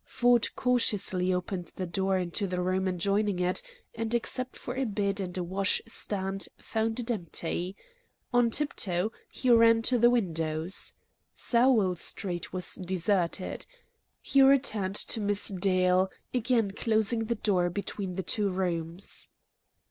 Ford cautiously opened the door into the room adjoining, and, except for a bed and wash stand, found it empty. On tiptoe he ran to the windows. Sowell Street was deserted. He returned to Miss Dale, again closing the door between the two rooms.